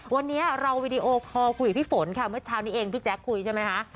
วันนี้เราวีดีโอคอลคุยกับพี่ฝนค่ะเมื่อเช้านี้เองพี่แจ๊คคุยใช่ไหมคะ